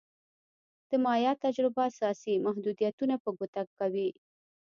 د مایا تجربه اساسي محدودیتونه په ګوته کوي.